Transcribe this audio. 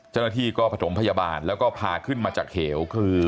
เจ้าหน้าที่ก็ผ่าตมพยาบาลผ่าขึ้นมาจากเหี่ยว